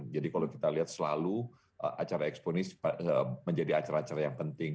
kalau kita lihat selalu acara ekspon ini menjadi acara acara yang penting